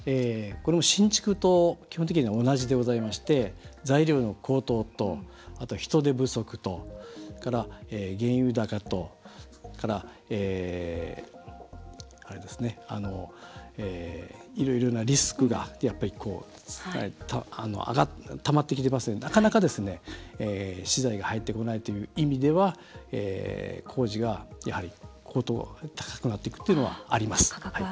新築と基本的には同じでございまして材料の高騰と、人手不足と原油高といろいろなリスクがたまってきてますのでなかなか、資材が入ってこないという意味では工賃が、やはり高くなっていくというのはあります。